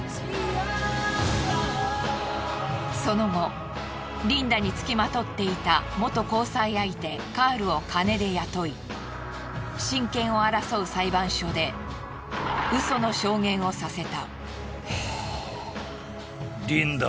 その後リンダに付きまとっていた元交際相手カールを金で雇い親権を争う裁判所でウソの証言をさせた。